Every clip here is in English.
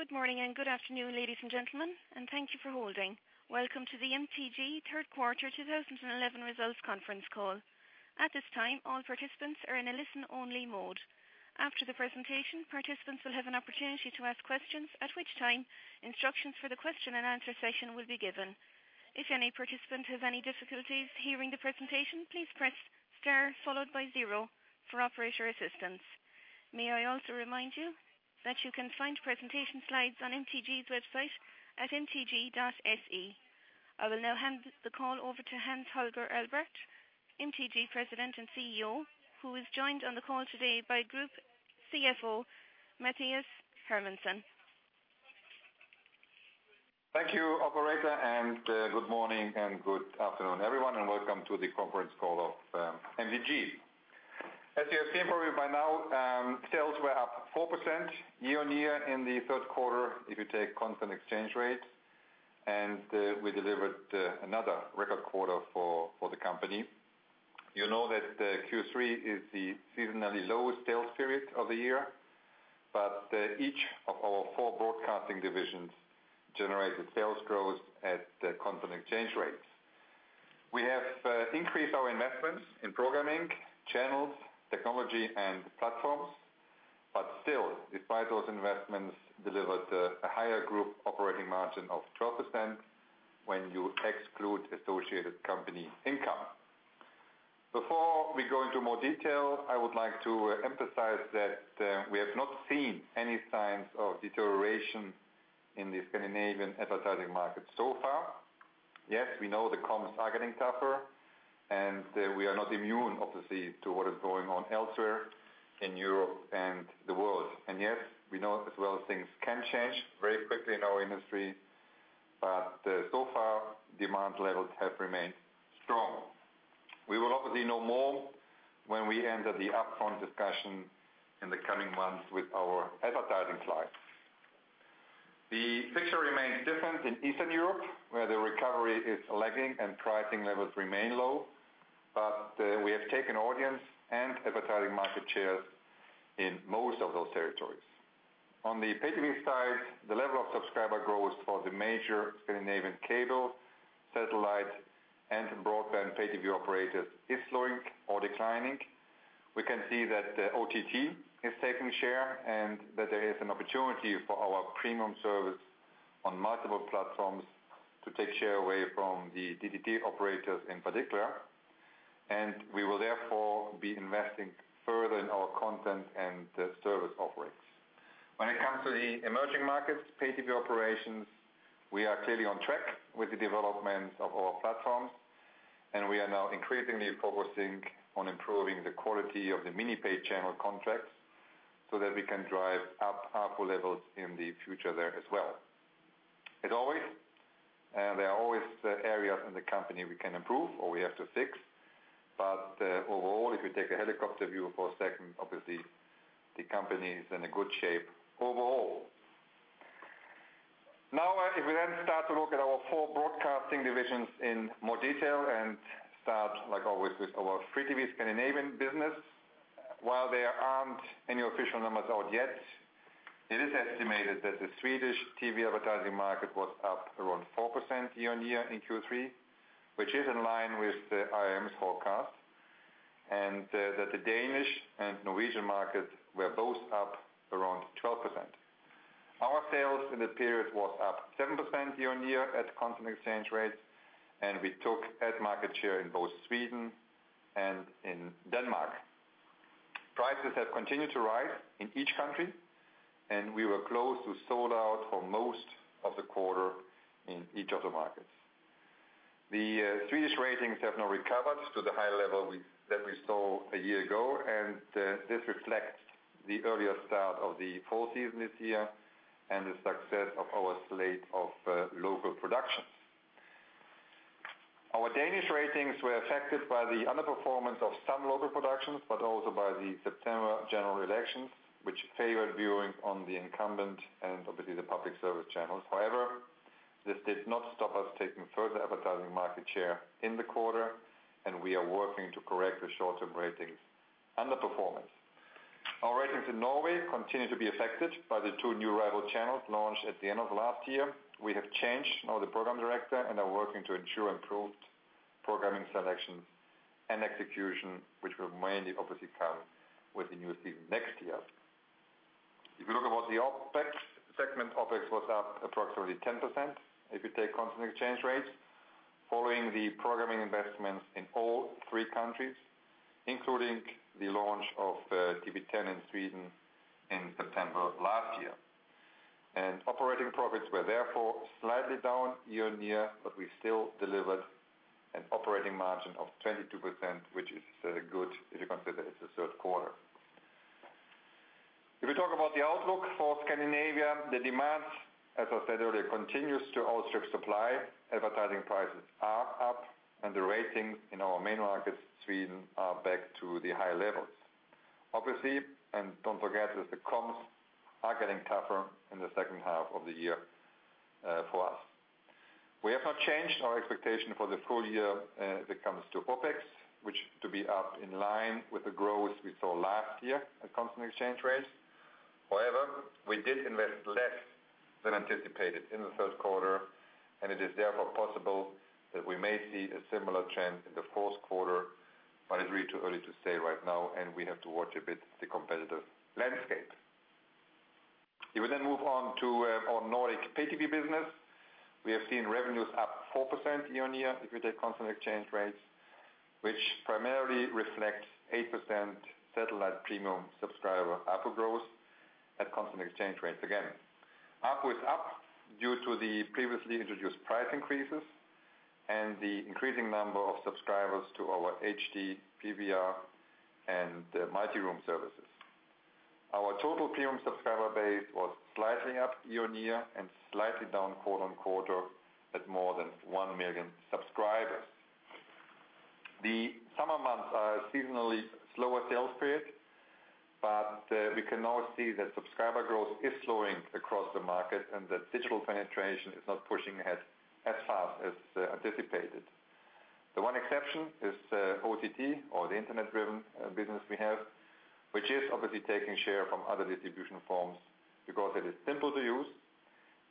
Good morning and good afternoon, ladies and gentlemen, and thank you for holding. Welcome to the MTG Third Quarter 2011 Results Conference Call. At this time, all participants are in a listen-only mode. After the presentation, participants will have an opportunity to ask questions, at which time instructions for the question-and-answer session will be given. If any participant has any difficulties hearing the presentation, please press star followed by zero for operator assistance. May I also remind you that you can find presentation slides on MTG's website at mtg.se. I will now hand the call over to Hans-Holger Albrecht, MTG President and CEO, who is joined on the call today by Group CFO Mathias Hermansson. Thank you, operator, and good morning and good afternoon, everyone, and welcome to the conference call of MTG. As you have seen probably by now, sales were up 4% year-on-year in the third quarter if you take the constant exchange rate, and we delivered another record quarter for the company. You know that Q3 is the seasonally lowest sales period of the year, but each of our four broadcasting divisions generated sales growth at the constant exchange rate. We have increased our investments in programming, channels, technology, and platforms, but still, despite those investments, we delivered a higher group operating margin of 12% when you exclude associated company income. Before we go into more detail, I would like to emphasize that we have not seen any signs of deterioration in the Scandinavian advertising market so far. Yes, we know the comps are getting tougher, and we are not immune, obviously, to what is going on elsewhere in Europe and the world. Yes, we know as well things can change very quickly in our industry, but so far, demand levels have remained strong. We will obviously know more when we enter the upfront discussion in the coming months with our advertising clients. The picture remains different in Eastern Europe, where the recovery is lagging and pricing levels remain low, but we have taken audience and advertising market shares in most of those territories. On the pay-TV side, the level of subscriber growth for the major Scandinavian cable, Satellite, and broadband pay-to-operators is slowing or declining. We can see that OTT is taking share and that there is an opportunity for our premium service on multiple platforms to take share away from the DTT operators in particular, and we will therefore be investing further in our content and service offerings. When it comes to the emerging markets' pay-TV operations, we are clearly on track with the development of our platform, and we are now increasingly focusing on improving the quality of the mini-pay channel contracts so that we can drive up ARPU levels in the future there as well. As always, there are always areas in the company we can improve or we have to fix, but overall, if we take the helicopter view for a second, obviously, the company is in a good shape overall. Now, if we then start to look at our four broadcasting divisions in more detail and start, like always, with our free TV Scandinavian business, while there aren't any official numbers out yet, it is estimated that the Swedish TV advertising market was up around 4% year-on-year in Q3, which is in line with the IM's forecast, and that the Danish and Norwegian markets were both up around 12%. Our sales in that period were up 7% year-on-year at constant exchange rates, and we took market share in both Sweden and in Denmark. Prices have continued to rise in each country, and we were close to sold out for most of the quarter in each of the markets. The Swedish ratings have now recovered to the high level that we saw a year ago, and this reflects the earlier start of the fall season this year and the success of our slate of local production. Our Danish ratings were affected by the underperformance of some local productions, but also by the September general elections, which favored viewing on the incumbent and, obviously, the public service channels. However, this did not stop us taking further advertising market share in the quarter, and we are working to correct the short-term ratings underperformance. Our ratings in Norway continue to be affected by the two new rival channels launched at the end of last year. We have changed now the Program Director and are working to ensure improved programming selection and execution, which will mainly obviously come with the new season next year. If we look at the OpEx segment, OpEx was up approximately 10% if you take constant exchange rate following the programming investments in all three countries, including the launch of TV10 in Sweden in September last year. Operating profits were therefore slightly down year-on-year, but we still delivered an operating margin of 22%, which is good if you consider it's the third quarter. If we talk about the outlook for Scandinavia, the demand, as I said earlier, continues to outstrip supply. Advertising prices are up, and the ratings in our main markets, Sweden, are back to the high levels. Obviously, and don't forget that the comps are getting tougher in the second half of the year for us. We have not changed our expectation for the full year if it comes to OpEx, which is to be up in line with the growth we saw last year at constant exchange rates. However, we did invest less than anticipated in the third quarter, and it is therefore possible that we may see a similar trend in the fourth quarter, but it's really too early to say right now, and we have to watch a bit the competitive landscape. If we then move on to our Nordic pay-to-view business, we have seen revenues up 4% year-on-year if you take constant exchange rates, which primarily reflect 8% satellite premium subscriber ARPU growth at constant exchange rates again. ARPU is up due to the previously introduced price increases and the increasing number of subscribers to our HD, PVR, and multi-room services. Our total premium subscriber base was slightly up year-on-year and slightly down quarter-on-quarter at more than 1 million subscribers. The summer months are a seasonally slower sales period, but we can now see that subscriber growth is slowing across the market and that digital penetration is not pushing ahead as far as anticipated. The one exception is OTT, or the internet-driven business we have, which is obviously taking share from other distribution forms because it is simple to use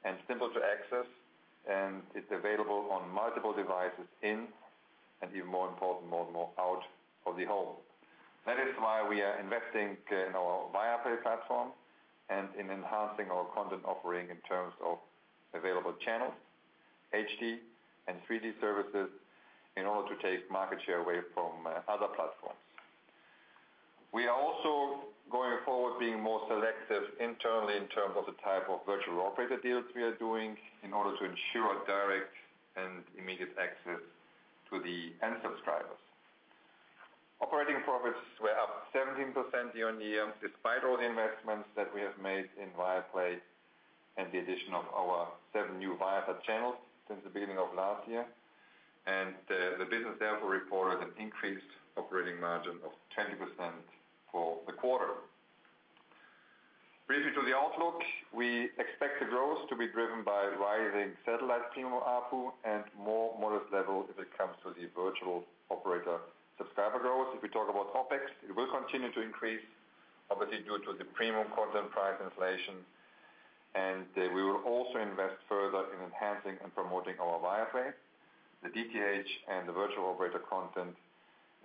and simple to access, and it's available on multiple devices in, and even more important, more and more out of the home. That is why we are investing in our Viaplay platform and in enhancing our content offering in terms of available channels, HD, and 3D services in order to take market share away from other platforms. We are also, going forward, being more selective internally in terms of the type of virtual operator deals we are doing in order to ensure direct and immediate access to the end subscribers. Operating profits were up 17% year-on-year despite all the investments that we have made in Viaplay and the addition of our seven new Viaplay channels since the beginning of last year, and the business therefore reported an increased operating margin of 20% for the quarter. Briefly to the outlook, we expect the growth to be driven by rising satellite premium ARPU and more modest levels if it comes to the virtual operator subscriber growth. If we talk about OpEx, it will continue to increase, obviously, due to the premium content price inflation, and we will also invest further in enhancing and promoting our Viaplay, the DTH, and the virtual operator content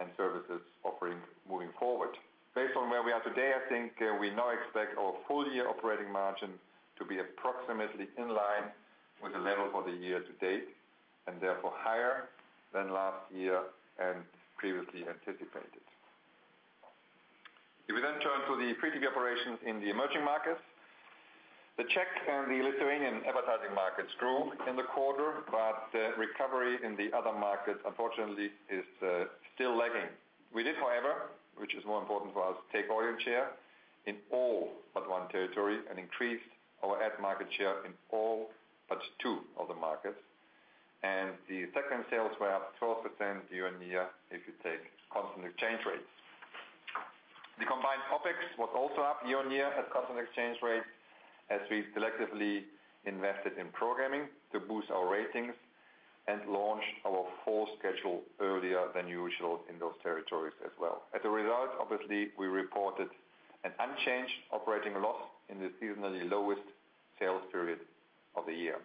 and services offering moving forward. Based on where we are today, I think we now expect our full-year operating margin to be approximately in line with the level for the year to date and therefore higher than last year and previously anticipated. If we then turn to the free TV operations in the emerging markets, the Czech and the Lithuanian advertising markets grew in the quarter, but the recovery in the other markets, unfortunately, is still lagging. We did, however, which is more important for us, take audience share in all but one territory and increased our ad market share in all but two of the markets, and the second sales were up 12% year-on-year if you take constant exchange rates. The combined OpEx was also up year-on-year at constant exchange rates as we selectively invested in programming to boost our ratings and launched our full schedule earlier than usual in those territories as well. As a result, obviously, we reported an unchanged operating loss in the seasonally lowest sales period of the year.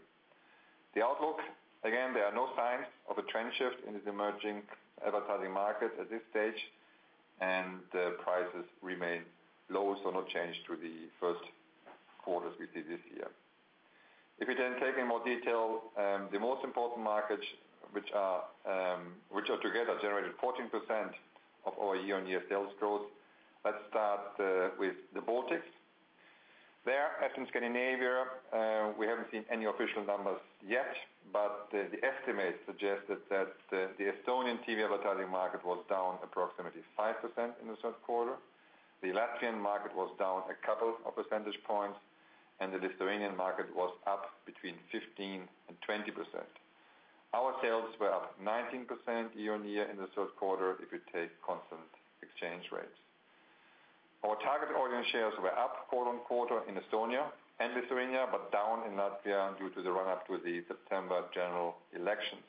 The outlook, again, there are no signs of a trend shift in these emerging advertising markets at this stage, and the prices remain low, so no change to the first quarters we see this year. If we then take in more detail the most important markets, which are together generating 14% of our year-on-year sales growth, let's start with the Baltics. There, as in Scandinavia, we haven't seen any official numbers yet, but the estimates suggest that the Estonian TV advertising market was down approximately 5% in the third quarter, the Latvian market was down a couple of percentage points, and the Lithuanian market was up between 15% and 20%. Our sales were up 19% year-on-year in the third quarter if you take constant exchange rates. Our target audience shares were up quarter-on-quarter in Estonia and Lithuania, but down in Latvia due to the run-up to the September general elections.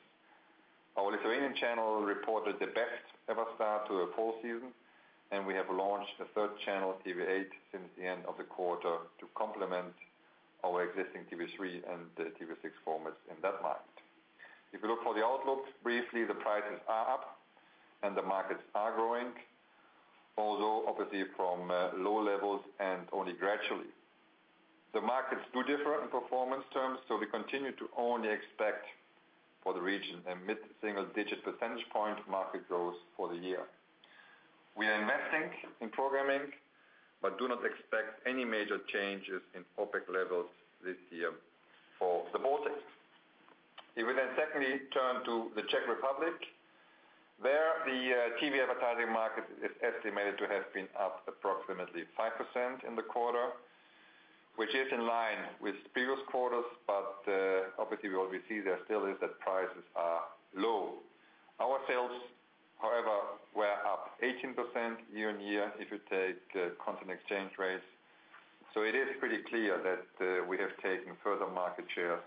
Our Lithuanian channel reported the best ever start to the fall season, and we have launched a third channel, TV8, since the end of the quarter to complement our existing TV3 and TV6 formats in that market. If we look for the outlook, briefly, the prices are up and the markets are growing, although obviously from low levels and only gradually. The markets do differ in performance terms, so we continue to only expect for the region a mid-single-digit percentage point market growth for the year. We are investing in programming, but do not expect any major changes in OpEx levels this year for the Baltics. If we then secondly turn to the Czech Republic, there, the TV advertising market is estimated to have been up approximately 5% in the quarter, which is in line with previous quarters, but obviously, we already see there still is that prices are low. Our sales, however, were up 18% year-on-year if you take constant exchange rates, so it is pretty clear that we have taken further market share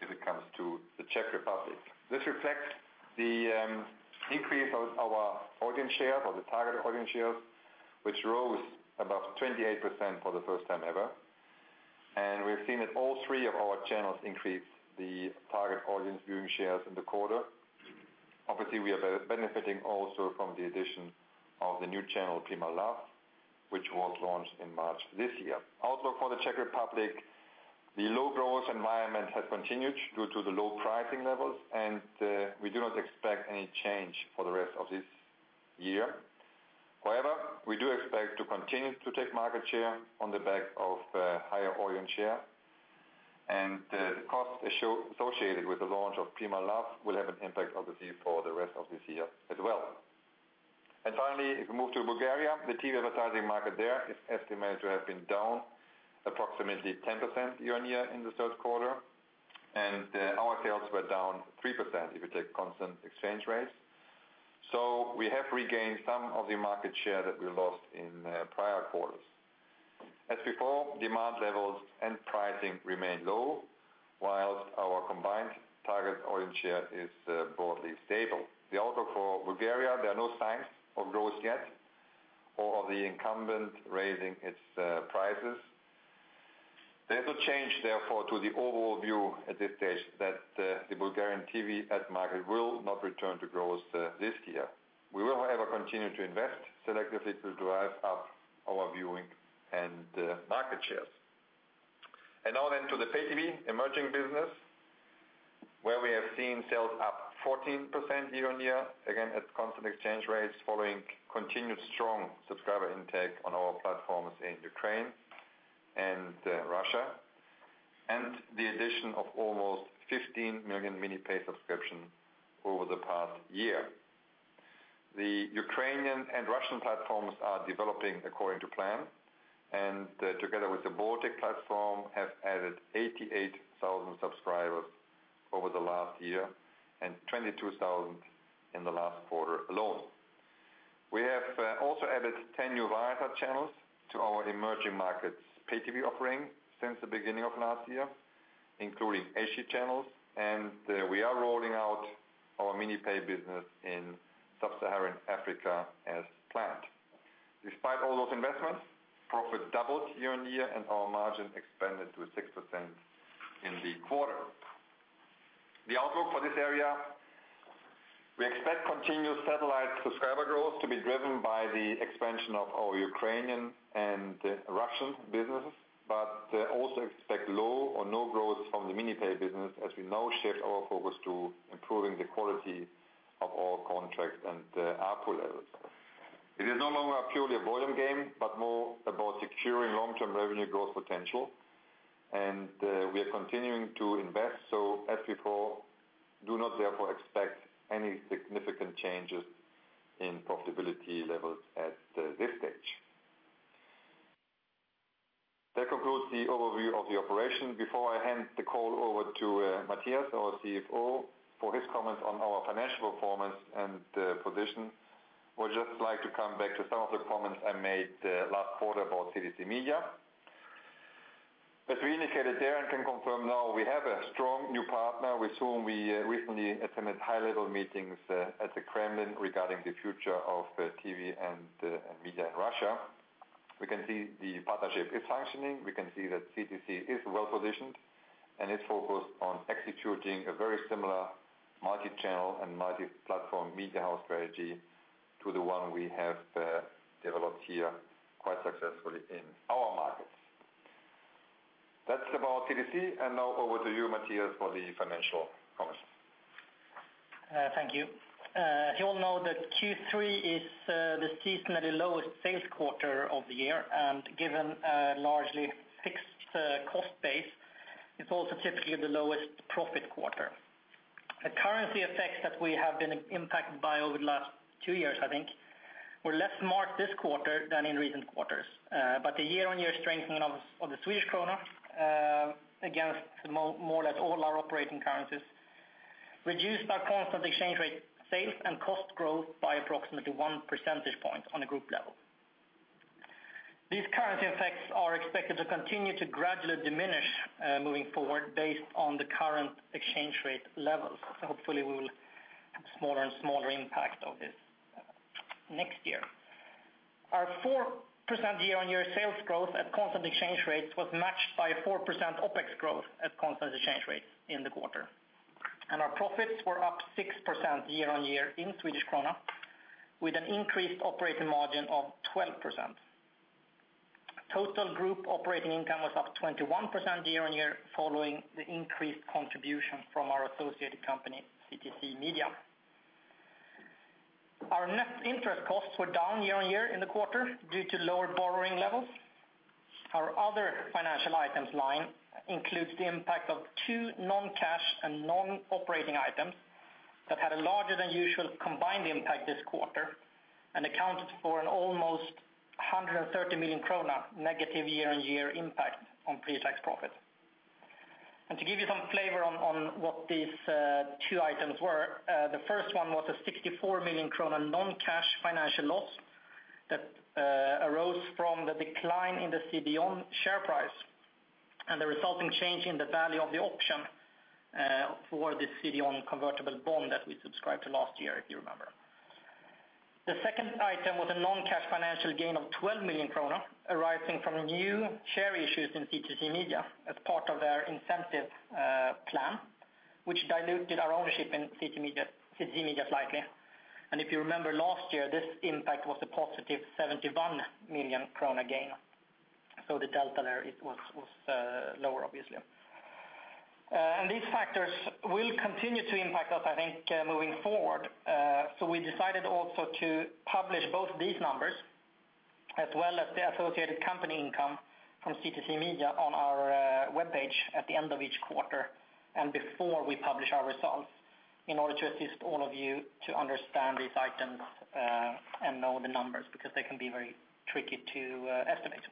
if it comes to the Czech Republic. This reflects the increase of our audience shares or the target audience shares, which rose above 28% for the first time ever, and we have seen that all three of our channels increased the target audience viewing shares in the quarter. Obviously, we are benefiting also from the addition of the new channel, Prima Love, which was launched in March this year. The outlook for the Czech Republic, the low growth environment has continued due to the low pricing levels, and we do not expect any change for the rest of this year. However, we do expect to continue to take market share on the back of higher audience share, and the cost associated with the launch of Prima Love will have an impact, obviously, for the rest of this year as well. Finally, if we move to Bulgaria, the TV advertising market there is estimated to have been down approximately 10% year-on-year in the third quarter, and our sales were down 3% if you take constant exchange rates, so we have regained some of the market share that we lost in prior quarters. As before, demand levels and pricing remain low, whilst our combined target audience share is broadly stable. The outlook for Bulgaria, there are no signs of growth yet or of the incumbent raising its prices. There is no change, therefore, to the overall view at this stage that the Bulgarian TV ad market will not return to growth this year. We will, however, continue to invest selectively to drive up our viewing and market shares. Now to the pay-TV emerging business, where we have seen sales up 14% year-on-year, again at constant exchange rates following continued strong subscriber intake on our platforms in Ukraine and Russia, and the addition of almost 15 million mini-pay subscriptions over the past year. The Ukrainian and Russian platforms are developing according to plan, and together with the Baltic platform, have added 88,000 subscribers over the last year and 22,000 in the last quarter alone. We have also added 10 new Viaplay channels to our emerging markets' pay-to-view offering since the beginning of last year, including Achannels, and we are rolling out our mini-pay business in Sub-Saharan Africa as planned. Despite all those investments, profit doubled year-on-year and our margin expanded to 6% in the quarter. The outlook for this area, we expect continued satellite subscriber growth to be driven by the expansion of our Ukrainian and Russian businesses, but also expect low or no growth from the mini-pay business, as we now shift our focus to improving the quality of our contracts and ARPU levels. It is no longer purely a volume game, but more about securing long-term revenue growth potential, and we are continuing to invest, so as before, do not therefore expect any significant changes in profitability levels at this stage. That concludes the overview of the operation. Before I hand the call over to Mathias, our CFO, for his comments on our financial performance and position, I would just like to come back to some of the comments I made last quarter about CTC Media. As we indicated there and can confirm now, we have a strong new partner with whom we recently attended high-level meetings at the Kremlin regarding the future of TV and media in Russia. We can see the partnership is functioning. We can see that CTC is well-positioned and is focused on executing a very similar multi-channel and multi-platform media house strategy to the one we have developed here quite successfully in our markets. That's about CTC, and now over to you, Mathias, for the financial comments. Thank you. As you all know, Q3 is the seasonally lowest sales quarter of the year, and given a largely fixed cost base, it's also typically the lowest profit quarter. Currency effects that we have been impacted by over the last two years, I think, were less marked this quarter than in recent quarters, but the year-on-year strengthening of the Swedish krona against more or less all our operating currencies reduced our constant exchange rate sales and cost growth by approximately 1% on a group level. These currency effects are expected to continue to gradually diminish moving forward based on the current exchange rate levels. Hopefully, we will have a smaller and smaller impact of this next year. Our 4% year-on-year sales growth at constant exchange rates was matched by a 4% OpEx growth at constant exchange rates in the quarter, and our profits were up 6% year-on-year in Swedish krona with an increased operating margin of 12%. Total group operating income was up 21% year-on-year following the increased contribution from our associated company, CTC Media. Our net interest costs were down year-on-year in the quarter due to lower borrowing levels. Our other financial items line includes the impact of two non-cash and non-operating items that had a larger than usual combined impact this quarter and accounted for an almost 130 million krona negative year-on-year impact on pre-tax profit. To give you some flavor on what these two items were, the first one was a 64 million kronor non-cash financial loss that arose from the decline in the CDON share price and the resulting change in the value of the option for the CDON convertible bond that we subscribed to last year, if you remember. The second item was a non-cash financial gain of 12 million kronor arising from new share issues in CTC Media as part of their incentive plan, which diluted our ownership in CTC Media slightly. If you remember last year, this impact was a positive 71 million krona gain, so the delta there was lower, obviously. These factors will continue to impact us, I think, moving forward, so we decided also to publish both these numbers as well as the associated company income from CTC Media on our web page at the end of each quarter and before we publish our results in order to assist all of you to understand these items and know the numbers because they can be very tricky to estimate.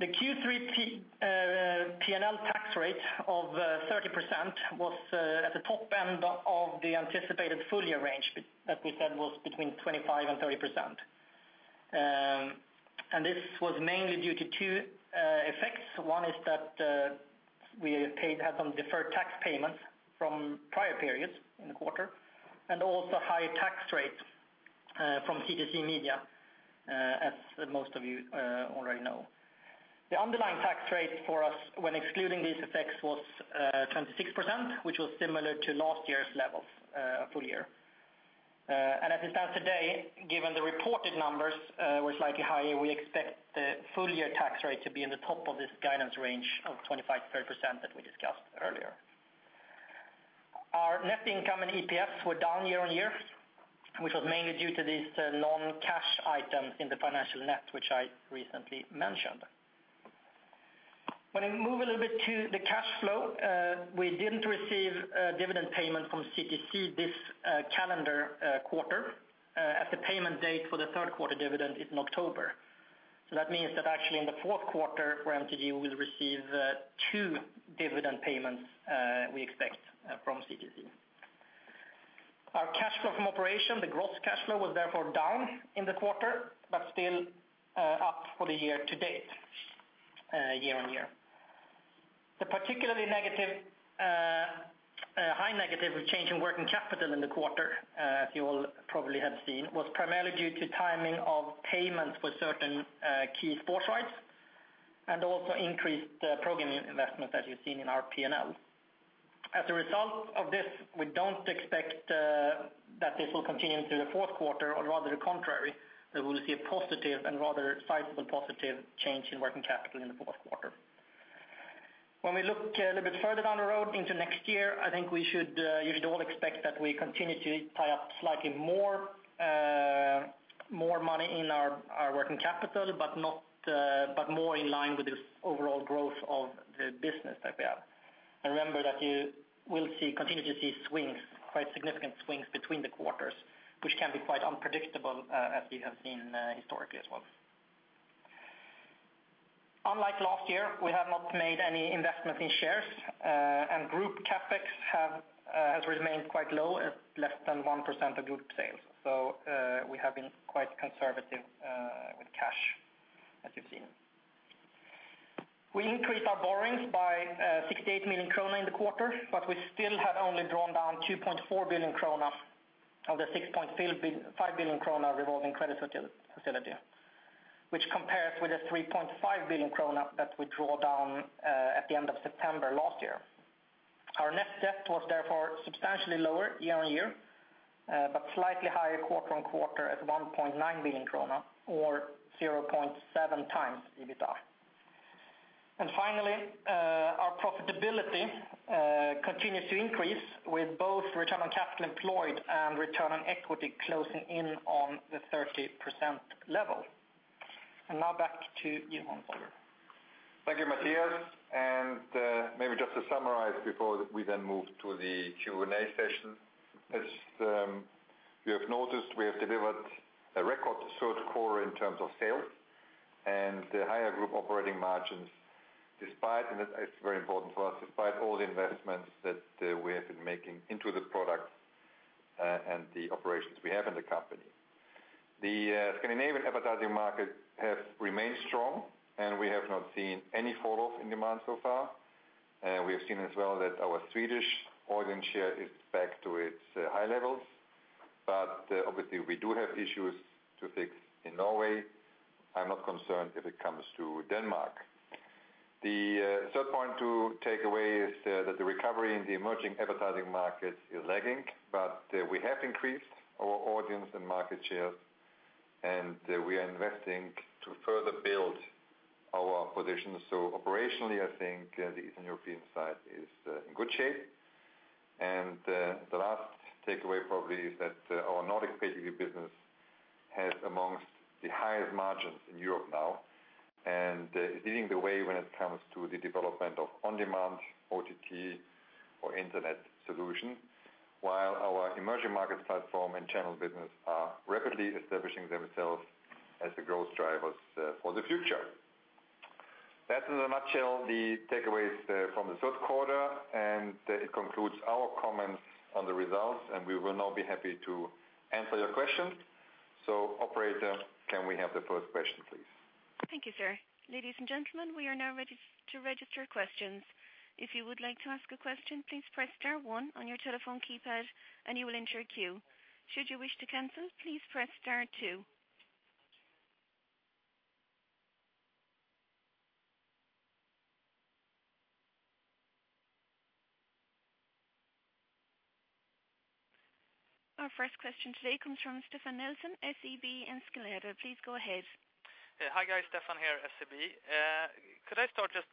The Q3 P&L tax rate of 30% was at the top end of the anticipated full-year range that we said was between 25% and 30%, and this was mainly due to two effects. One is that we had some deferred tax payments from prior periods in the quarter and also a higher tax rate from CTC Media, as most of you already know. The underlying tax rate for us when excluding these effects was 26%, which was similar to last year's levels a full year. As it stands today, given the reported numbers were slightly higher, we expect the full-year tax rate to be in the top of this guidance range of 25%-30% that we discussed earlier. Our net income and EPFs were down year-on-year, which was mainly due to these non-cash items in the financial net which I recently mentioned. When we move a little bit to the cash flow, we didn't receive a dividend payment from CTC this calendar quarter at the payment date for the third quarter dividend in October. That means that actually in the fourth quarter for MTG, we will receive two dividend payments we expect from CTC. Our cash flow from operation, the gross cash flow, was therefore down in the quarter, but still up for the year to date, year-on-year. The particularly high negative change in working capital in the quarter, as you all probably have seen, was primarily due to timing of payments for certain key sports rights and also increased programming investments that you've seen in our P&L. As a result of this, we don't expect that this will continue into the fourth quarter, or rather the contrary, that we will see a positive and rather sizable positive change in working capital in the fourth quarter. When we look a little bit further down the road into next year, I think we should all expect that we continue to tie up slightly more money in our working capital, but more in line with this overall growth of the business that we have. Remember that you will continue to see quite significant swings between the quarters, which can be quite unpredictable as we have seen historically as well. Unlike last year, we have not made any investments in shares, and group CapEx has remained quite low at less than 1% of group sales, so we have been quite conservative with cash, as you've seen. We increased our borrowings by 68 million krona in the quarter, but we still had only drawn down 2.4 billion krona of the 6.5 billion krona revolving credit facility, which compares with the 3.5 billion krona that we drew down at the end of September last year. Our net debt was therefore substantially lower year-on-year, but slightly higher quarter-on-quarter at 1.9 billion krona or 0.7 times EBITDA. Our profitability continues to increase with both return on capital employed and return on equity closing in on the 30% level. Now back to you, Hans-Holger. Thank you, Mathias. Maybe just to summarize before we then move to the Q&A session, as you have noticed, we have delivered a record short quarter in terms of sales and higher group operating margins, and that is very important for us despite all the investments that we have been making into this product and the operations we have in the company. The Scandinavian advertising market has remained strong, and we have not seen any falloff in demand so far. We have seen as well that our Swedish audience share is back to its high levels, but obviously, we do have issues to fix in Norway. I'm not concerned if it comes to Denmark. The third point to take away is that the recovery in the emerging advertising markets is lagging, but we have increased our audience and market shares, and we are investing to further build our position. Operationally, I think the Eastern European side is in good shape, and the last takeaway probably is that our Nordic pay-to-view business has amongst the highest margins in Europe now and is leading the way when it comes to the development of on-demand OTT or internet solutions, while our emerging markets' platform and channel business are rapidly establishing themselves as the growth drivers for the future. That's in a nutshell the takeaways from the third quarter, and it concludes our comments on the results, and we will now be happy to answer your questions. Operator, can we have the first question, please? Thank you, sir. Ladies and gentlemen, we are now ready to register questions. If you would like to ask a question, please press star one on your telephone keypad, and you will enter a queue. Should you wish to cancel, please press star two. Our first question today comes from Stefan Nelson, SEB in Skellefteå. Please go ahead. Hi guys, Stefan here, SEB. Could I start just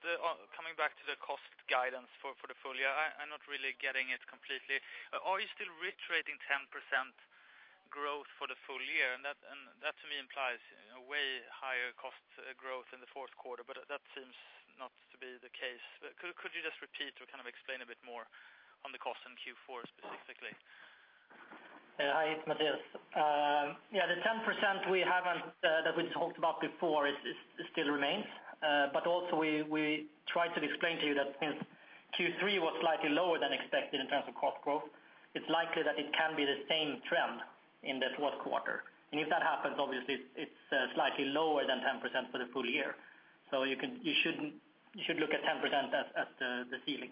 coming back to the cost guidance for the full year? I'm not really getting it completely. Are you still reiterating 10% growth for the full year? That, to me, implies a way higher cost growth in the fourth quarter, but that seems not to be the case. Could you just repeat or kind of explain a bit more on the cost in Q4 specifically? Hi, it's Mathias. Yeah, the 10% we haven't that we talked about before still remains, but we also tried to explain to you that since Q3 was slightly lower than expected in terms of cost growth, it's likely that it can be the same trend in the fourth quarter. If that happens, obviously, it's slightly lower than 10% for the full year. You should look at 10% as the ceiling.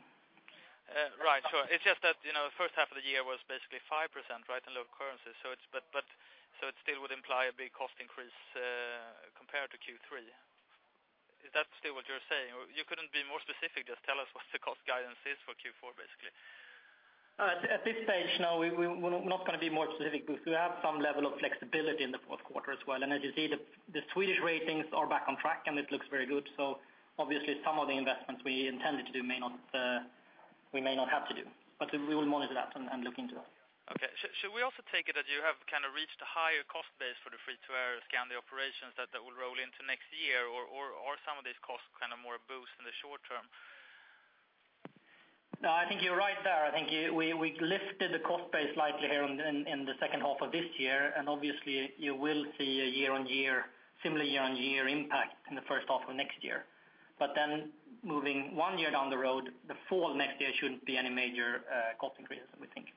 Right, sure. It's just that the first half of the year was basically 5% in local currency, so it still would imply a big cost increase compared to Q3. Is that still what you're saying? You couldn't be more specific. Just tell us what the cost guidance is for Q4, basically. At this stage, no, we're not going to be more specific because we have some level of flexibility in the fourth quarter as well. As you see, the Swedish ratings are back on track and it looks very good. Obviously, some of the investments we intended to do may not have to do, but we will monitor that and look into it. Okay. Should we also take it that you have kind of reached a higher cost base for the free-to-air Scandinavia operations that will roll into next year, or are some of these costs kind of more a boost in the short-term? No, I think you're right there. I think we lifted the cost base slightly here in the second half of this year, and obviously, you will see a similar year-on-year impact in the first half of next year. Moving one year down the road, the fall next year shouldn't be any major cost increases, we think.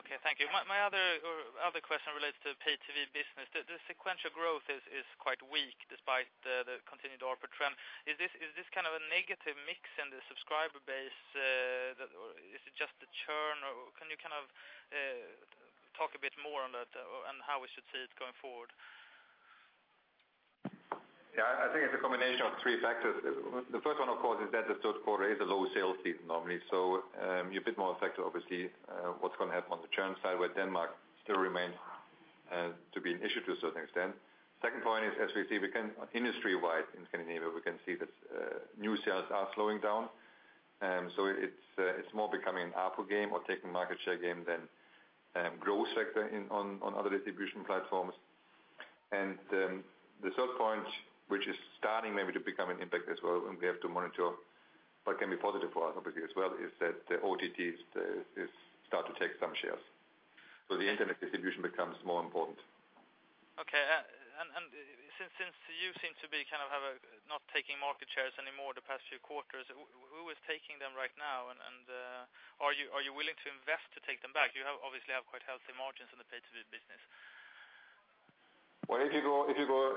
Okay, thank you. My other question relates to the pay-TV business. The sequential growth is quite weak despite the continued ARPU trend. Is this kind of a negative mix in the subscriber base? Is it just the churn, or can you kind of talk a bit more on that and how we should see it going forward? Yeah, I think it's a combination of three factors. The first one, of course, is that the third quarter is a low sales season normally, so you're a bit more affected, obviously, by what's going to happen on the churn side where Denmark still remains to be an issue to a certain extent. The second point is, as we see industry-wide in Scandinavia, we can see that new sales are slowing down, so it's more becoming an ARPU game or taking market share game than a growth factor on other distribution platforms. The third point, which is starting maybe to become an impact as well, and we have to monitor what can be positive for us, obviously, as well, is that the OTT starts to take some shares. The internet distribution becomes more important. Okay. Since you seem to be kind of not taking market shares anymore the past few quarters, who is taking them right now, and are you willing to invest to take them back? You obviously have quite healthy margins in the pay-TV business. If you go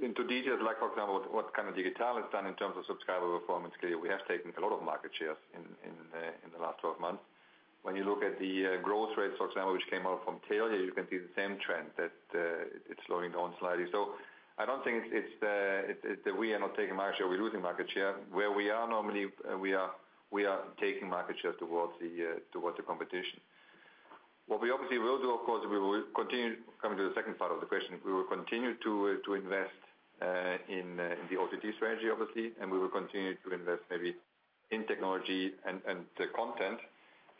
into detail, like for example, what kind of Digital has done in terms of subscriber performance scale, we have taken a lot of market shares in the last 12 months. When you look at the growth rates, for example, which came out from Telia, you can see the same trend that it's slowing down slightly. I don't think it's that we are not taking market share; we're losing market share. Where we are normally, we are taking market share towards the competition. What we obviously will do, of course, we will continue coming to the second part of the question. We will continue to invest in the OTT strategy, obviously, and we will continue to invest maybe in technology and content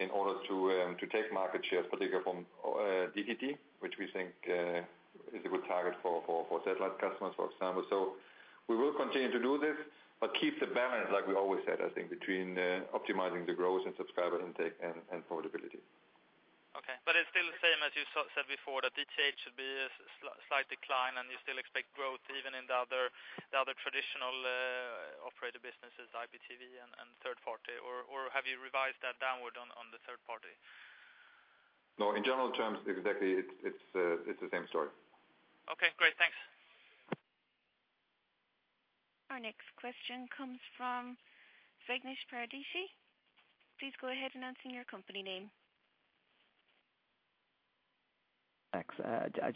in order to take market shares, particularly from DTT, which we think is a good target for satellite customers, for example. We will continue to do this, but keep the balance, like we always said, I think, between optimizing the growth and subscriber intake and affordability. Okay. It is still the same, as you said before, that DTH should be a slight decline, and you still expect growth even in the other traditional operator businesses, IPTV and third-party, or have you revised that downward on the third-party? No, in general terms, exactly, it's the same story. Okay, great. Thanks. Our next question comes from [Zegniš Paradishi]. Please go ahead and answer in your company name. Thanks.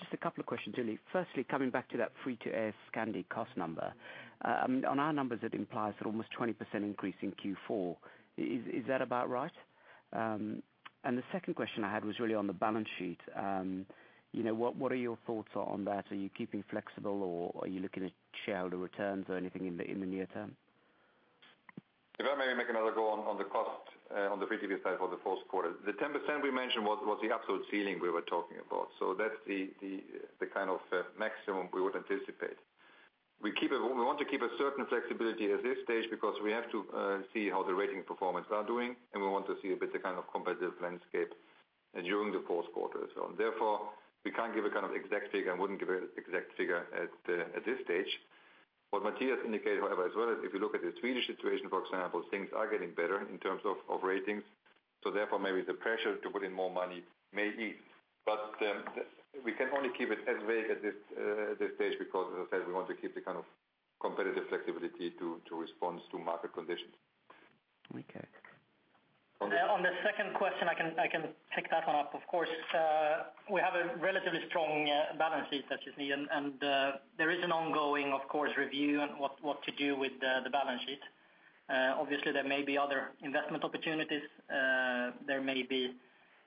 Just a couple of questions, really. Firstly, coming back to that free-to-air Scandy cost number, I mean, on our numbers, it implies that almost a 20% increase in Q4. Is that about right? The second question I had was really on the balance sheet. You know, what are your thoughts on that? Are you keeping flexible, or are you looking at shareholder returns or anything in the near term? If I may make another goal on the cost on the free TV side for the fourth quarter, the 10% we mentioned was the absolute ceiling we were talking about. That's the kind of maximum we would anticipate. We want to keep a certain flexibility at this stage because we have to see how the rating performance is doing, and we want to see a bit of the kind of competitive landscape during the fourth quarter as well. Therefore, we can't give a kind of exact figure and wouldn't give an exact figure at this stage. What Mathias indicated, however, as well, if you look at the Swedish situation, for example, things are getting better in terms of ratings. Therefore, maybe the pressure to put in more money may ease. We can only keep it at this stage because, as I said, we want to keep the kind of competitive flexibility to respond to market conditions. Okay. On the second question, I can pick that one up, of course. We have a relatively strong balance sheet that you see, and there is an ongoing review on what to do with the balance sheet. Obviously, there may be other investment opportunities. There may be,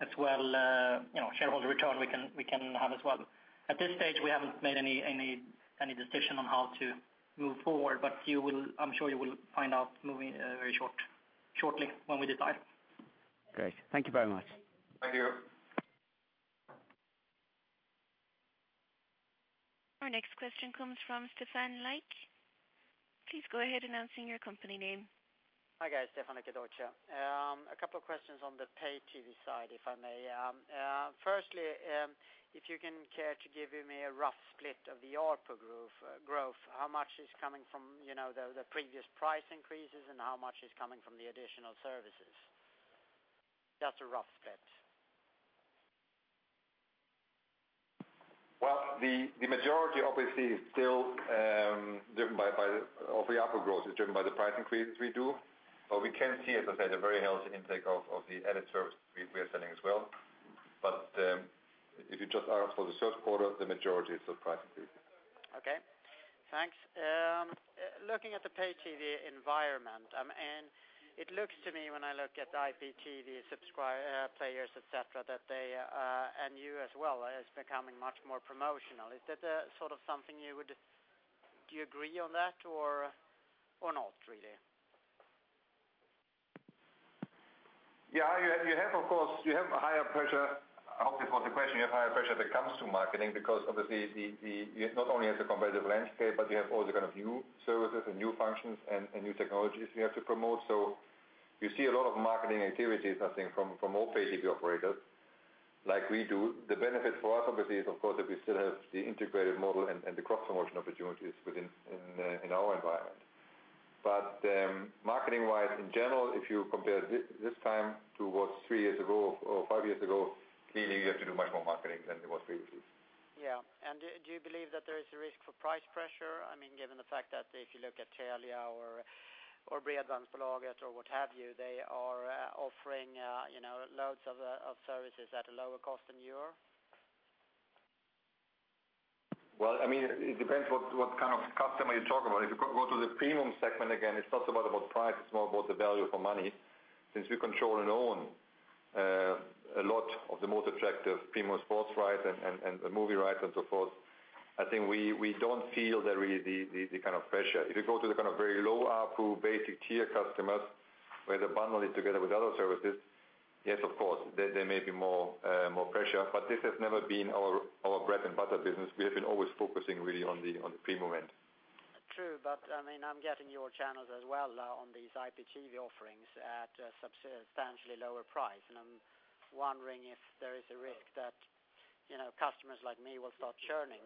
as well, shareholder return we can have as well. At this stage, we haven't made any decision on how to move forward, but I'm sure you will find out very shortly when we decide. Great. Thank you very much. Thank you. Our next question comes from [Stefan Leich]. Please go ahead and answer in your company name. Hi guys, [Stefa] at Deutsche. A couple of questions on the pay-to-view side, if I may. Firstly, if you can care to give me a rough split of the ARPU growth, how much is coming from the previous price increases and how much is coming from the additional services? That's a rough split. The majority, obviously, is still driven by the ARPU growth. It's driven by the price increases we do. We can see, as I said, a very healthy impact of the added service we are selling as well. If you just ask for the third quarter, the majority is the price increase. Okay. Thanks. Looking at the pay-to-view environment, I mean, it looks to me, when I look at IPTV subscriber players, etc., that they and you as well, it's becoming much more promotional. Is that sort of something you would do you agree on that or not, really? Yeah, you have, of course, you have a higher pressure. I hope you caught the question. You have higher pressure that comes through marketing because, obviously, you not only have the competitive landscape, but you have all the kind of new services and new functions and new technologies we have to promote. You see a lot of marketing activities, I think, from all pay-TV operators like we do. The benefit for us, obviously, is, of course, that we still have the integrated model and the cross-promotion opportunities within our environment. Marketing-wise, in general, if you compare this time to what was three years ago or five years ago, clearly, you have to do much more marketing than it was previously. Yeah. Do you believe that there is a risk for price pressure? I mean, given the fact that if you look at Telia or what have you, they are offering loads of services at a lower cost than you are? It depends what kind of customer you're talking about. If you go to the premium segment again, it's not so much about price. It's more about the value for money. Since we control and own a lot of the most attractive premium sports rights and movie rights and so forth, I think we don't feel that really the kind of pressure. If you go to the kind of very low ARPU basic tier customers where they bundle it together with other services, yes, of course, there may be more pressure. This has never been our bread and butter business. We have been always focusing really on the premium end. True. I mean, I'm getting your channels as well on these IPTV offerings at a substantially lower price, and I'm wondering if there is a risk that customers like me will start churning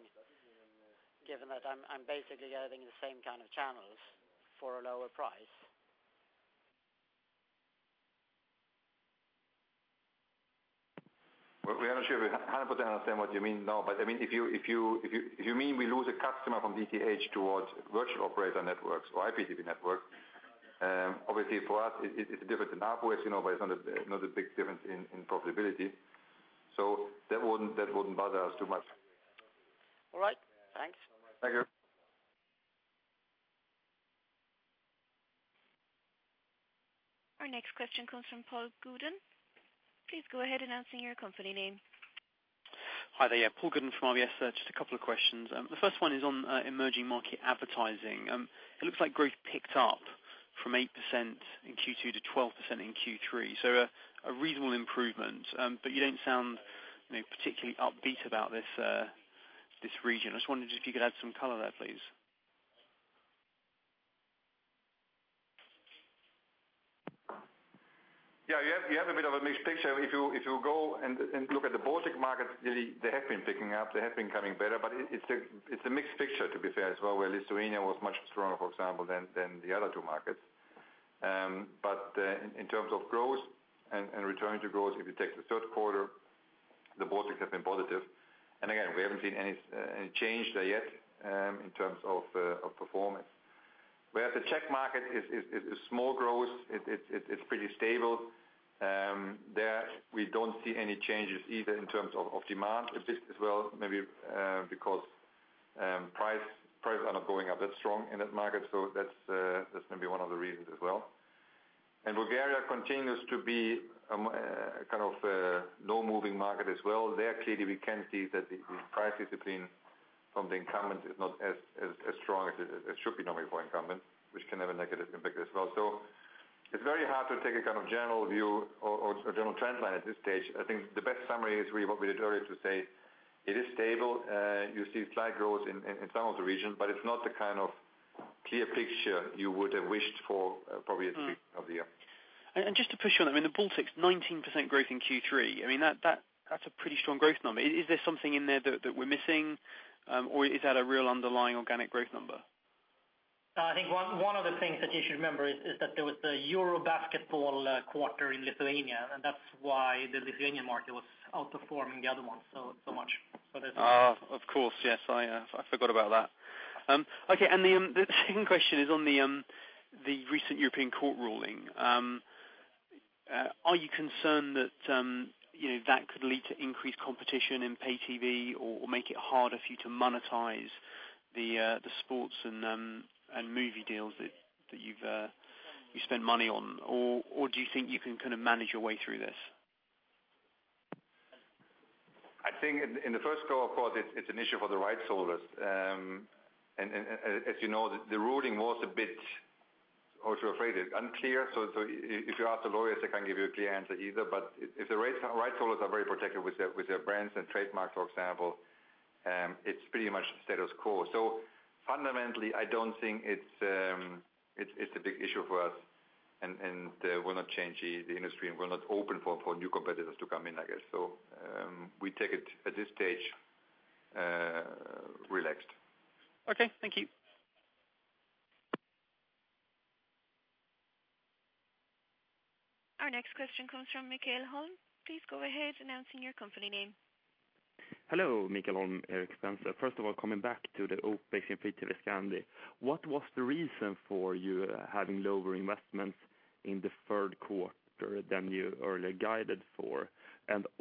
given that I'm basically getting the same kind of channels for a lower price. If you mean we lose a customer from DTH towards virtual operator networks or IPTV networks, obviously, for us, it's different than ARPU, but it's not a big difference in profitability. That wouldn't bother us too much. All right, thanks. Thank you. Our next question comes from Paul Gooden. Please go ahead and answer in your company name. Hi there. Yeah, Paul Gooden from RBS Search. Just a couple of questions. The first one is on emerging market advertising. It looks like growth picked up from 8% in Q2 to 12% in Q3, so a reasonable improvement, but you don't sound particularly upbeat about this region. I just wondered if you could add some color there, please. Yeah, you have a bit of a mixed picture. If you go and look at the Baltic markets, they have been picking up. They have been becoming better, but it's a mixed picture, to be fair as well, where Lithuania was much stronger, for example, than the other two markets. In terms of growth and return to growth, if you take the third quarter, the Baltics have been positive. We haven't seen any change there yet in terms of performance. Whereas the Czech market is small growth, it's pretty stable. There, we don't see any changes either in terms of demand, a bit as well, maybe because prices are not going up that strong in that market. That's maybe one of the reasons as well. Bulgaria continues to be a kind of low-moving market as well. There, clearly, we can see that the price discipline from the incumbents is not as strong as it should be normally for incumbents, which can have a negative impact as well. It is very hard to take a kind of general view or a general trend line at this stage. I think the best summary is what we did earlier to say it is stable. You see slight growth in some of the regions, but it's not the kind of clear picture you would have wished for probably at the beginning of the year. Just to push on, I mean, the Baltics, 19% growth in Q3. I mean, that's a pretty strong growth number. Is there something in there that we're missing, or is that a real underlying organic growth number? I think one of the things that you should remember is that there was the Euro basketball quarter in Lithuania, and that's why the Lithuanian market was outperforming the other ones so much. Of course. Yes, I forgot about that. The second question is on the recent European court ruling. Are you concerned that could lead to increased competition in pay-TV or make it harder for you to monetize the sports and movie deals that you spend money on, or do you think you can kind of manage your way through this? I think in the first court, it's an issue for the rights holders. As you know, the ruling was a bit, how to phrase it, unclear. If you ask the lawyers, they can't give you a clear answer either. If the rights holders are very protective with their brands and trademarks, for example, it's pretty much status quo. Fundamentally, I don't think it's a big issue for us, it will not change the industry, and we're not open for new competitors to come in, I guess. We take it at this stage relaxed. Okay, thank you. Our next question comes from Mikael Holm. Please go ahead and answer in your company name. Hello, Mikael Holm, Erik Spencer. First of all, coming back to the OpEx in free TV Scandinavia, what was the reason for you having lower investments in the third quarter than you earlier guided for?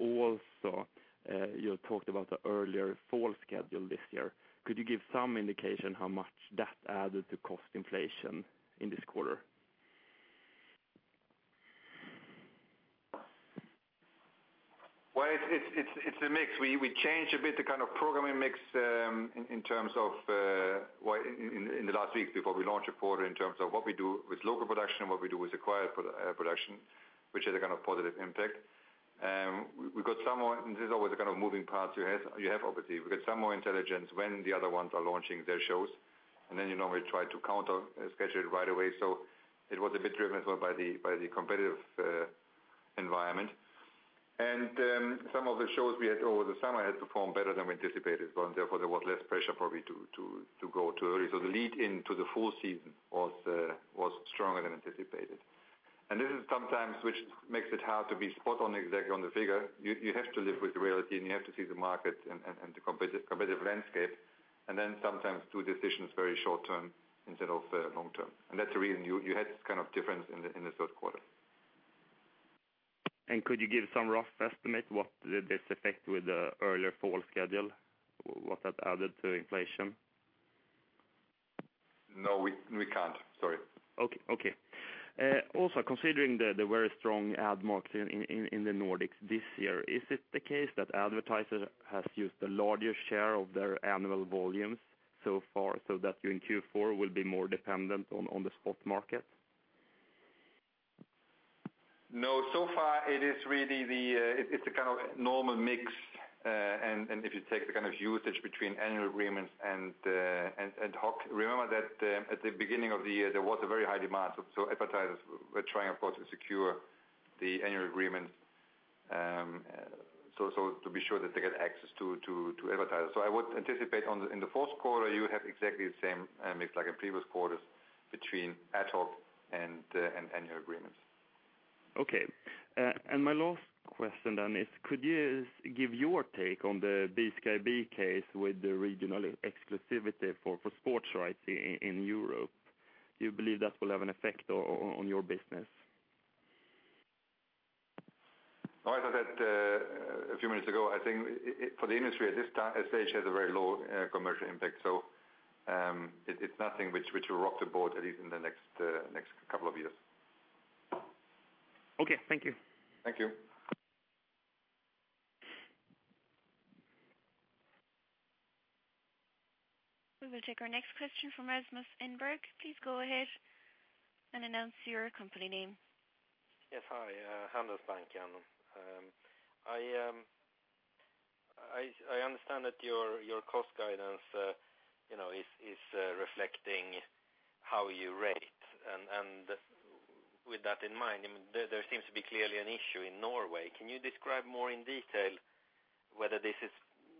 You talked about the earlier fall schedule this year. Could you give some indication how much that added to cost inflation in this quarter? It's a mix. We changed a bit the kind of programming mix in terms of in the last weeks before we launched a quarter in terms of what we do with local production and what we do with acquired production, which has a kind of positive impact. We got some more, and this is always a kind of moving part you have, obviously. We got some more intelligence when the other ones are launching their shows, and then you normally try to counter-schedule it right away. It was a bit driven as well by the competitive environment. Some of the shows we had over the summer had performed better than we anticipated as well, and therefore, there was less pressure probably to go too early. The lead-in to the full season was stronger than anticipated. This is sometimes what makes it hard to be spot on exactly on the figure. You have to live with the reality, and you have to see the markets and the competitive landscape, and then sometimes do decisions very short-term instead of long-term. That's the reason you had this kind of difference in the third quarter. Could you give some rough estimate what this effect with the earlier fall schedule, what that added to inflation? No, we can't. Sorry. Okay. Also, considering the very strong ad market in the Nordics this year, is it the case that advertisers have used the larger share of their annual volumes so far so that you in Q4 will be more dependent on the spot market? No. So far, it is really a kind of normal mix. If you take the kind of usage between annual agreements and ad hoc, remember that at the beginning of the year, there was a very high demand. Advertisers were trying, of course, to secure the annual agreement to be sure that they get access to advertisers. I would anticipate in the fourth quarter you have exactly the same mix like in previous quarters between ad hoc and annual agreements. Okay. My last question then is, could you give your take on the BSKB case with the regional exclusivity for sports rights in Europe? Do you believe that will have an effect on your business? As I said a few minutes ago, I think for the industry at this stage, it has a very low commercial impact. It's nothing which will rock the board, at least in the next couple of years. Okay, thank you. Thank you. We will take our next question from Rasmus Enberg. Please go ahead and announce your company name. Yes. Hi. Handelsbanken. I understand that your cost guidance is reflecting how you rate. With that in mind, there seems to be clearly an issue in Norway. Can you describe more in detail whether this is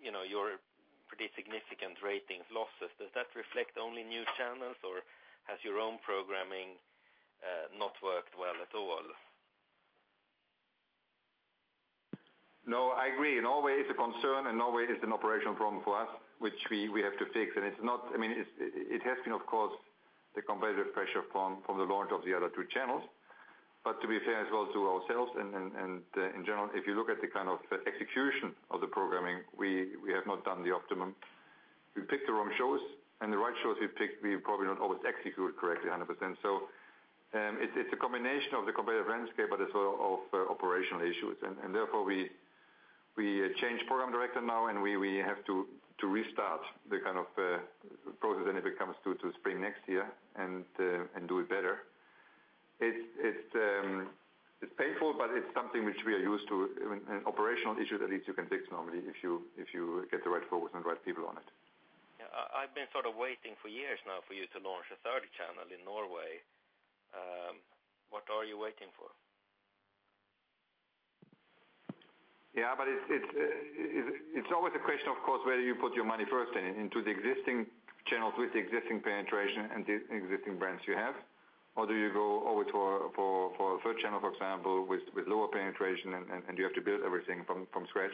your pretty significant rating losses? Does that reflect only new channels, or has your own programming not worked well at all? No, I agree. Norway is a concern, and Norway has been an operational problem for us, which we have to fix. It has been, of course, the competitive pressure from the launch of the other two channels. To be fair as well to ourselves and in general, if you look at the kind of execution of the programming, we have not done the optimum. We picked the wrong shows, and the right shows we picked, we probably don't always execute correctly 100%. It's a combination of the competitive landscape, as well as operational issues. Therefore, we changed Program Director now, and we have to restart the kind of process when it comes to spring next year and do it better. It's painful, but it's something which we are used to. An operational issue, at least, you can fix normally if you get the right focus and the right people on it. I've been sort of waiting for years now for you to launch a third channel in Norway. What are you waiting for? Yeah, but it's always a question, of course, whether you put your money first into the existing channels with the existing penetration and the existing brands you have, or do you go over to a third channel, for example, with lower penetration, and you have to build everything from scratch?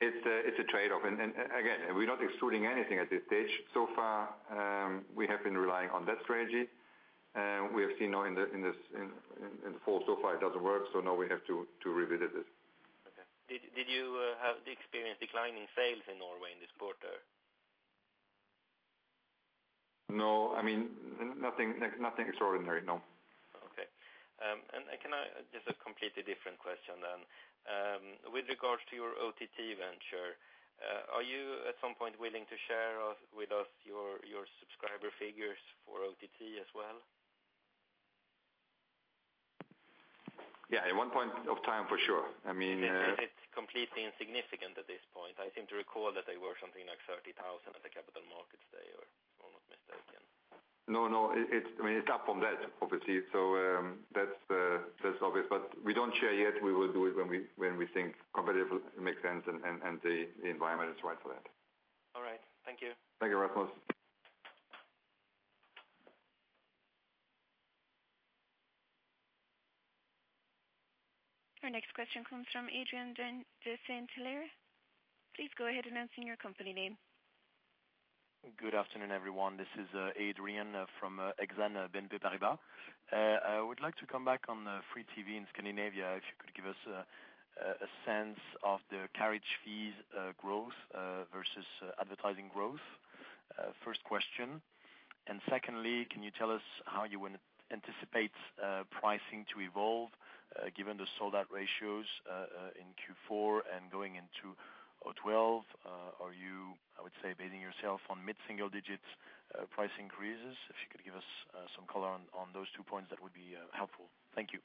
It's a trade-off. We're not excluding anything at this stage. So far, we have been relying on that strategy. We have seen now in the fall, so far, it doesn't work. Now we have to revisit it. Okay. Did you have the experience of declining sales in Norway in this quarter? No, I mean nothing extraordinary. No. Okay. Can I just ask a completely different question then? With regards to your OTT venture, are you at some point willing to share with us your subscriber figures for OTT as well? Yeah, at one point of time, for sure. I mean. It's completely insignificant at this point. I seem to recall that they were something like 30,000 at the capital markets there, if I'm not mistaken. No, no. I mean, it's up from that, obviously. That's the obvious. We don't share yet. We will do it when we think competitive makes sense and the environment is right for that. All right. Thank you. Thank you, Rasmus. Our next question comes from Adrien de Saint-Hilaire Please go ahead and answer in your company name. Good afternoon, everyone. This is Adrien from Exane BNP Paribas. I would like to come back on free TV in Scandinavia if you could give us a sense of the carriage fees growth versus advertising growth. First question. Secondly, can you tell us how you anticipate pricing to evolve given the sold-out ratios in Q4 and going into 2012? Are you, I would say, basing yourself on mid-single-digit price increases? If you could give us some color on those two points, that would be helpful. Thank you.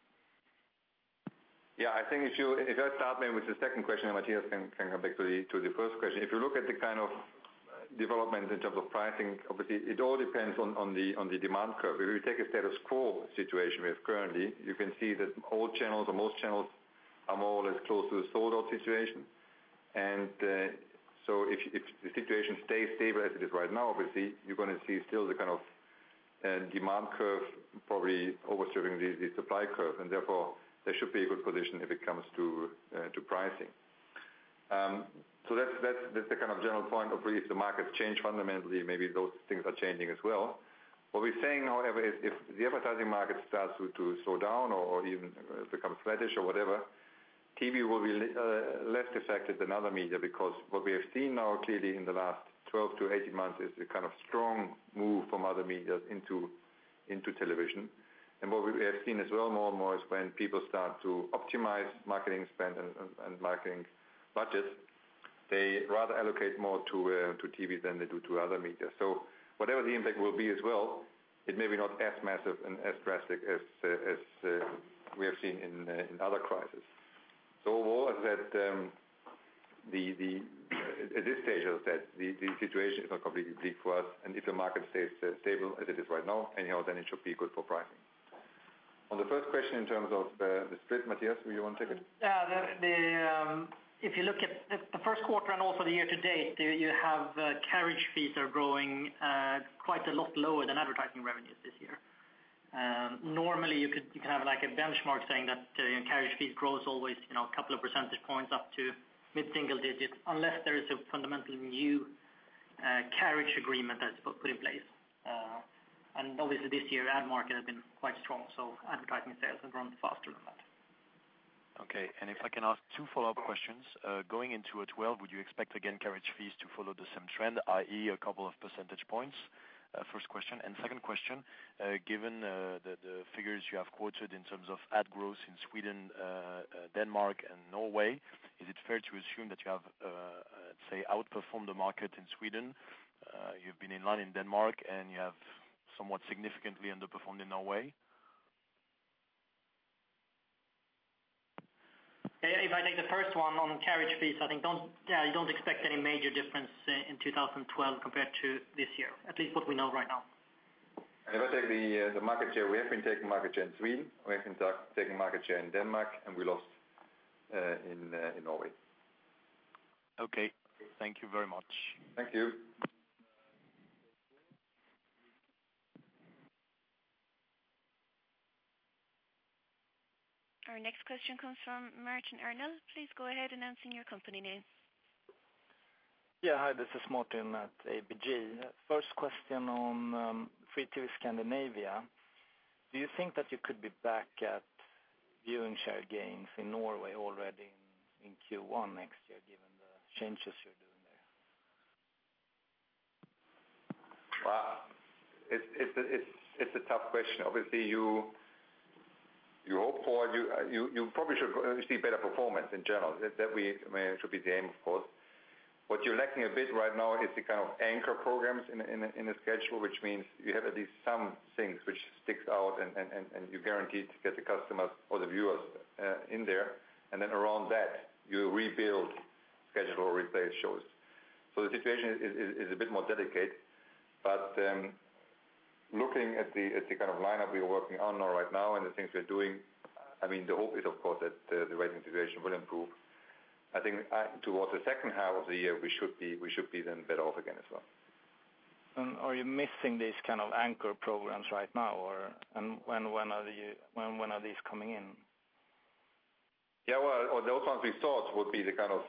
Yeah, I think if you start me with the second question, I might just think a bit to the first question. If you look at the kind of development in terms of pricing, obviously, it all depends on the demand curve. If you take a status quo situation we have currently, you can see that all channels or most channels are more or less close to a sold-out situation. If the situation stays stable as it is right now, obviously, you're going to see still the kind of demand curve probably overserving the supply curve. Therefore, there should be a good condition if it comes to pricing. That's the kind of general point. Obviously, if the markets change fundamentally, maybe those things are changing as well. What we're saying, however, is if the advertising market starts to slow down or even becomes fetish or whatever, TV will be less affected than other media because what we have seen now clearly in the last 12 to 18 months is the kind of strong move from other media into television. What we have seen as well more and more is when people start to optimize marketing spend and marketing budget, they rather allocate more to TV than they do to other media. Whatever the impact will be as well, it may be not as massive and as drastic as we have seen in other crises. Overall, as I said, at this stage, as I said, the situation is not completely bleak for us. If the market stays stable as it is right now, then it should be good for pricing. On the first question in terms of the split, Mathias, would you want to take it? If you look at the first quarter and also the year to date, you have carriage fees are growing quite a lot lower than advertising revenues this year. Normally, you can have like a benchmark saying that carriage fees grow always a couple of percentage points up to mid-single digits unless there is a fundamentally new carriage agreement that's put in place. Obviously, this year, ad market has been quite strong, so advertising sales have grown faster than that. Okay. If I can ask two follow-up questions. Going into 2012, would you expect again carriage fees to follow the same trend, i.e., a couple of percentage points? First question. Second question, given the figures you have quoted in terms of ad growth in Sweden, Denmark, and Norway, is it fair to assume that you have, let's say, outperformed the market in Sweden, you've been in line in Denmark, and you have somewhat significantly underperformed in Norway? If I take the first one on carriage fees, I think you don't expect any major difference in 2012 compared to this year, at least what we know right now. I don't take the market share. We have been taking market share in Sweden, we have been taking market share in Denmark, and we lost in Norway. Okay, thank you very much. Thank you. Our next question comes from Martin Arnell. Please go ahead and answer in your company name. Hi. This is Martin at ABG. First question on free TV Scandinavia. Do you think that you could be back at viewing share gains in Norway already in Q1 next year, given the changes you're doing there? Wow. It's a tough question. Obviously, you hope for it. You probably should see better performance in general. That should be the aim, of course. What you're lacking a bit right now is the kind of anchor programs in the schedule, which means you have at least some things which stick out, and you're guaranteed to get the customer or the viewers in there. Around that, you rebuild schedule or replace shows. The situation is a bit more delicate. Looking at the kind of lineup we are working on right now and the things we're doing, the hope is, of course, that the rating situation will improve. I think towards the second half of the year, we should be then better off again as well. Are you missing these kind of anchor programs right now, or when are these coming in? Those ones we thought would be the kind of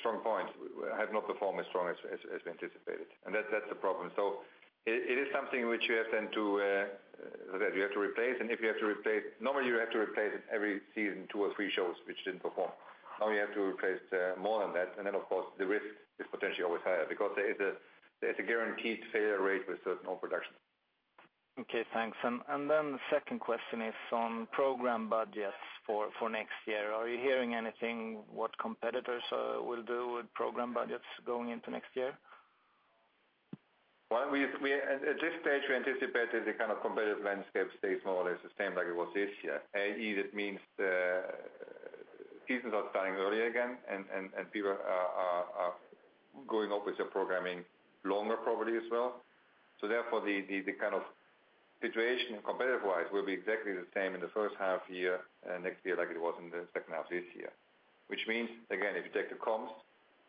strong points have not performed as strong as we anticipated. That is the problem. It is something which you have then to, as I said, you have to replace. If you have to replace, normally, you have to replace it every season, two or three shows which didn't perform. Now you have to replace more than that. Of course, the risk is potentially always higher because there is a guaranteed failure rate with certain old productions. Thank you. The second question is on program budgets for next year. Are you hearing anything about what competitors will do with program budgets going into next year? At this stage, we anticipate that the kind of competitive landscape stays more or less the same like it was this year, i.e., that means seasons are starting earlier again, and people are going off with their programming longer probably as well. Therefore, the kind of situation competitive-wise will be exactly the same in the first half year next year like it was in the second half this year, which means, again, if you take the comps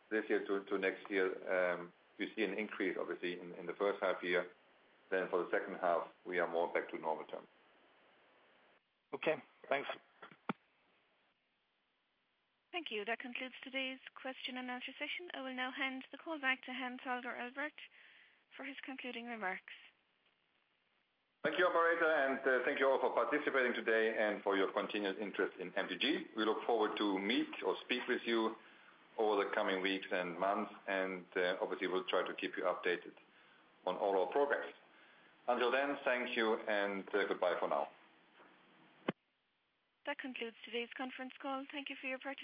this year to next year, you see an increase, obviously, in the first half year. For the second half, we are more back to normal term. Okay. Thanks. Thank you. That concludes today's question-and-answer session. I will now hand the call back to Hans-Holger Albrecht for his concluding remarks. Thank you, operator, and thank you all for participating today and for your continued interest in MTG. We look forward to meet or speak with you over the coming weeks and months, and we'll try to keep you updated on all our progress. Until then, thank you and goodbye for now. That concludes today's conference call. Thank you for your participation.